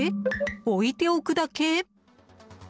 置いておくだけ？